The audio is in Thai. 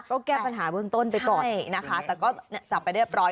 ก็แก้ปัญหาเบื้องต้นไปก่อนนะคะแต่ก็จับไปเรียบร้อย